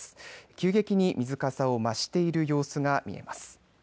急激に水かさを増している様子が見えます。